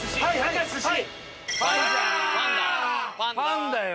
パンだよ。